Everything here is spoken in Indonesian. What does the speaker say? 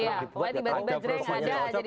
iya pokoknya tiba tiba drag ada aja di situ gitu